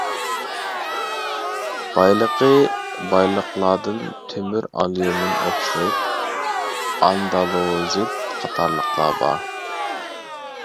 بايلىقى بايلىقلاردىن تۆمۈر ئاليۇمىن ئوكسىد، ئاندالۇزىت قاتارلىقلار بار.